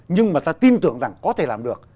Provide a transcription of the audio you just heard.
nhưng mà ta tin tưởng rằng có thể làm được